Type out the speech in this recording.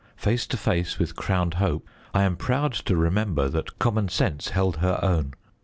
Face to face with crowned hope, I am proud to remember that common sense held her own.